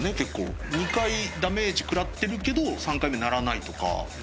２回ダメージ食らってるけど３回目鳴らないとか。